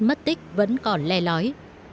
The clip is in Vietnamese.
mất tích vẫn còn le lói